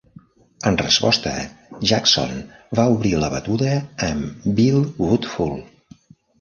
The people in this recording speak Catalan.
En resposta, Jackson va obrir la batuda amb Bill Woodfull.